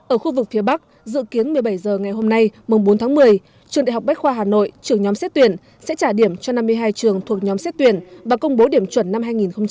ở khu vực phía bắc dự kiến một mươi bảy h ngày hôm nay mùng bốn tháng một mươi trường đại học bách khoa hà nội trường nhóm xét tuyển sẽ trả điểm cho năm mươi hai trường thuộc nhóm xét tuyển và công bố điểm chuẩn năm hai nghìn hai mươi